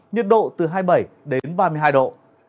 nhiệt độ từ hai mươi bảy đến ba mươi hai độ